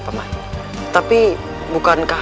paman tapi bukankah